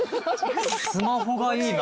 スマホがいいな。